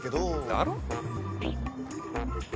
だろ？